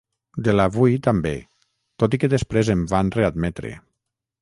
De l’Avui, també, tot i que després em van readmetre.